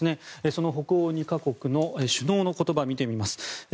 その北欧２か国の首脳の言葉を見てみます。